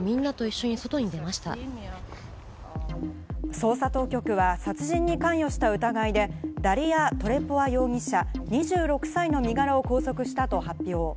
捜査当局は殺人に関与した疑いでダリヤ・トレポワ容疑者、２６歳の身柄を拘束したと発表。